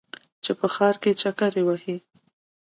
چې په ښار کې چکر وهې.